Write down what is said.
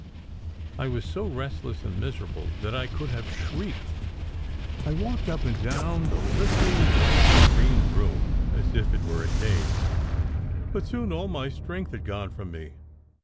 I was so restless and miserable that I could have shrieked. I walked up and down the little white and green room as if it were a cage, but soon all my strength had gone from me.